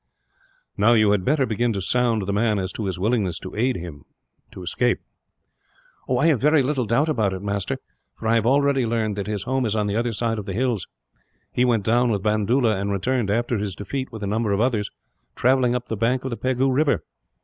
"Now you had better begin to sound the man, as to his willingness to aid him to escape." "I have very little doubt about it, master, for I have already learned that his home is on the other side of the hills. He went down with Bandoola; and returned after his defeat, with a number of others, travelling up the bank of the Pegu river.